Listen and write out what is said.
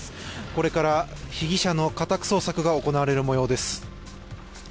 これから、被疑者の家宅捜索が行われる模様です。